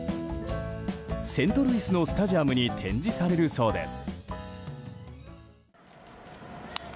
セントルイスのスタジアムに展示されるそうです。